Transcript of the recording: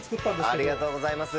ありがとうございます。